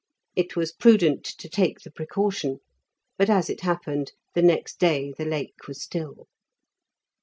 It was prudent to take the precaution, but, as it happened, the next day the Lake was still.